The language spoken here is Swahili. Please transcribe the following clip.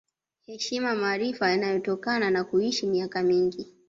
Heshima maarifa yanayotokana na kuishi miaka mingi